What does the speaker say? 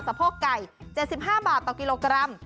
โพกไก่๗๕บาทต่อกิโลกรัม